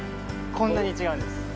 こんなに違うんです。